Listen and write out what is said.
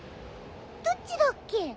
どっちだっけ？